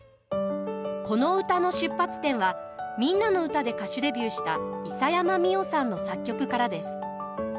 この歌の出発点は「みんなのうた」で歌手デビューした諫山実生さんの作曲からです。